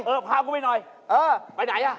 เออพากับดูหน่อยไปไหน